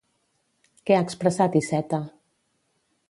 Què ha expressat Iceta?